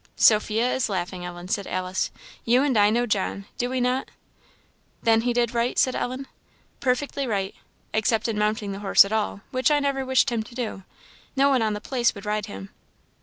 "Sophia is laughing, Ellen," said Alice. "You and I know John, do we not?" "Then he did right?" said Ellen. "Perfectly right except in mounting the horse at all, which I never wished him to do. No one on the place would ride him."